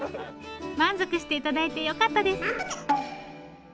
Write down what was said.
満足して頂いてよかったです。